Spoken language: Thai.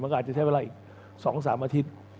อาจจะใช้เวลาอีก๒๓อาทิตย์